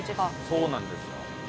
そうなんですよ。